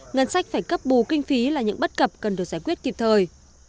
ngân sách phải cấp bù kinh phí là những bất cập cần được giải quyết kịp thời